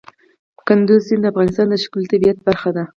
کندز سیند د افغانستان د ښکلي طبیعت برخه ده.